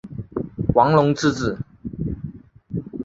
王隆之子。